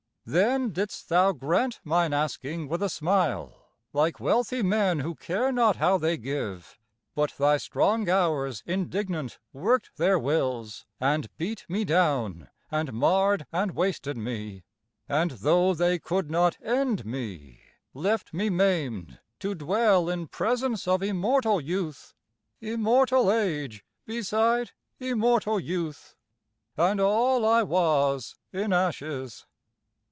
Then didst thou grant mine asking with a smile, Like wealthy men who care not how they give. But thy strong Hours indignant work'd their wills, And beat me down and marr'd and wasted me, And tho' they could not end me, left me maim'd To dwell in presence of immortal youth, Immortal age beside immortal youth, And all I was, in ashes.